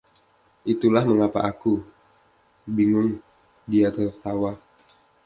Itulah mengapa aku, bingung, dia tertawa.